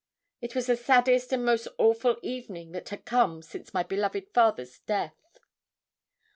It was the saddest and most awful evening that had come since my beloved father's death.